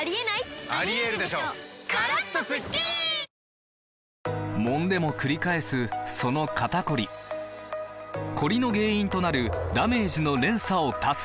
「ハミング」史上Ｎｏ．１抗菌もんでもくり返すその肩こりコリの原因となるダメージの連鎖を断つ！